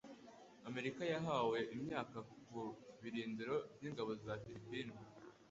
Amerika yahawe imyaka ku birindiro by'ingabo za Filipine